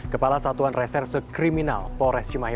kepala satuan reserse kriminal polres cimahi